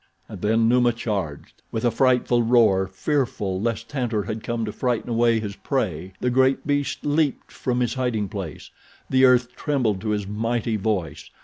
And then Numa charged. With a frightful roar, fearful lest Tantor had come to frighten away his prey, the great beast leaped from his hiding place. The earth trembled to his mighty voice.